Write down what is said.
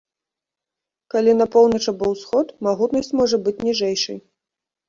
Калі на поўнач або ўсход, магутнасць можа быць ніжэйшай.